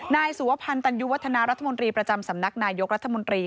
นายสุวพันธ์ตันยุวัฒนารัฐมนตรีประจำสำนักนายกรัฐมนตรี